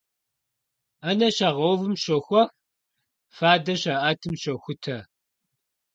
Ӏэнэ щагъэувым щохуэх, фадэ щаӀэтым щохутэ.